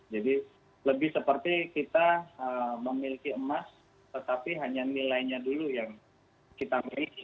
jadi lebih seperti kita memiliki emas tetapi hanya nilainya dulu yang kita miliki